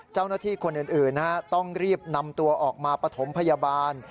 เจ้าหน้าที่คนอื่นต้องรีบนำตัวออกมาปฐมพยาบาล